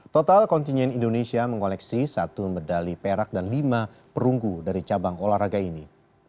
total kontingen indonesia mengoleksi satu medali perak dan lima perunggu dari cabang olahraga ini